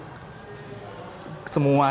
semua ritual mak neni ini